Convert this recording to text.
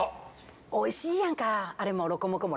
美味しいやんかあれもロコモコも。